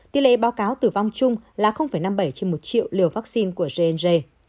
tỷ lệ báo cáo tử vong chung là năm mươi bảy trên một triệu liều vaccine của j j